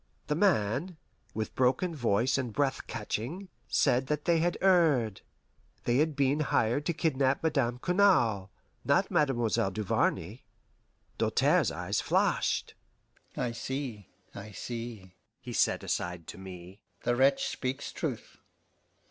The man, with broken voice and breath catching, said that they had erred. They had been hired to kidnap Madame Cournal, not Mademoiselle Duvarney. Doltaire's eyes flashed. "I see, I see," he said aside to me. "The wretch speaks truth."